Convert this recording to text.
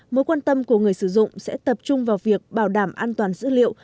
mối quan tâm của người sử dụng sẽ tập trung vào việc bảo đảm an toàn dữ liệu